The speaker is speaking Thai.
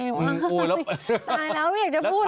ตายแล้วไม่อยากจะพูด